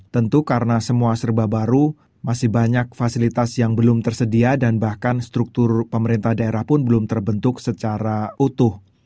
tentu karena semua serba baru masih banyak fasilitas yang belum tersedia dan bahkan struktur pemerintah daerah pun belum terbentuk secara utuh